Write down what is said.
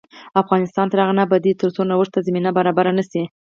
افغانستان تر هغو نه ابادیږي، ترڅو نوښت ته زمینه برابره نشي.